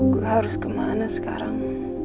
gue harus kemana sekarang